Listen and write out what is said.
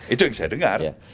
itu yang saya dengar